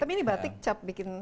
tapi ini batik cap bikin